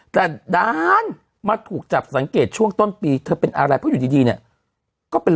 แต่ด้านมาถูกจับสังเกตช่วงต้นปีเธอเป็นอะไรเพราะอยู่ดีเนี่ยก็เป็น